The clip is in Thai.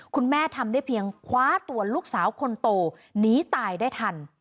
คุณแม่ทำได้เพียงคว้าตัวลูกสาวคนโตหนีตายได้ทัน